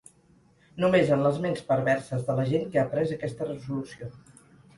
Només en les ments perverses de la gent que ha pres aquesta resolució.